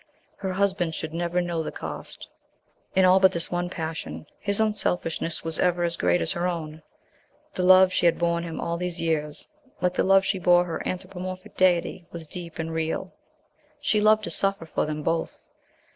Her husband should never know the cost. In all but this one passion his unselfishness was ever as great as her own. The love she had borne him all these years, like the love she bore her anthropomorphic deity, was deep and real. She loved to suffer for them both.